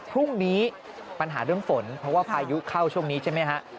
พรุ่งนี้ปัญหาเรื่องฝนเพราะว่าพายุเข้าช่วงนี้ใช่ไหมฮะ